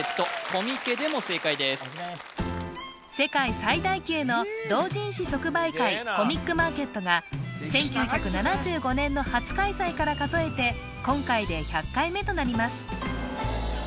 コミックマーケットが１９７５年の初開催から数えて今回で１００回目となります